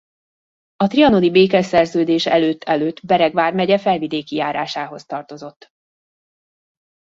A trianoni békeszerződés előtt előtt Bereg vármegye Felvidéki járásához tartozott.